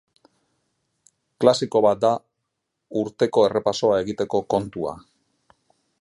Klasiko bat da urteko errepasoa egiteko kontua.